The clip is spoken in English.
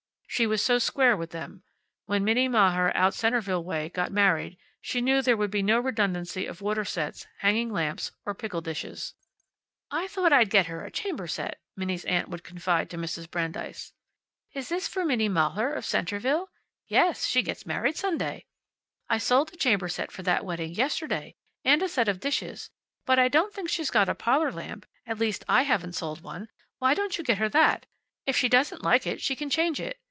She was so square with them. When Minnie Mahler, out Centerville way, got married, she knew there would be no redundancy of water sets, hanging lamps, or pickle dishes. "I thought like I'd get her a chamber set," Minnie's aunt would confide to Mrs. Brandeis. "Is this for Minnie Mahler, of Centerville?" "Yes; she gets married Sunday." "I sold a chamber set for that wedding yesterday. And a set of dishes. But I don't think she's got a parlor lamp. At least I haven't sold one. Why don't you get her that? If she doesn't like it she can change it.